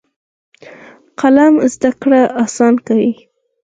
قلم زده کړه اسانه کوي.